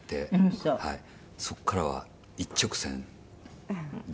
そこからは一直線でした。